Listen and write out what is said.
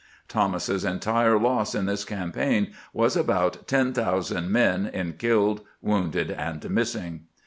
Thomas's entire loss in this campaign was about 10,000 men in killed, wounded, and missing.